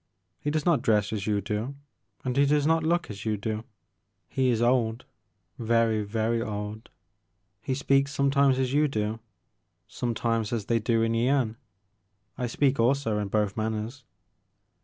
He does not dress as you do and he does not look as you do. 52 TJte Maker of Moans. He is old, very, very old. He speaks sometimes as you do, sometimes as they do in Yian. I speak also in both manners."